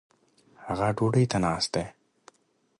هغه ډوډي ته ناست دي